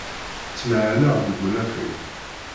Ttmahaleɣ deg unafag.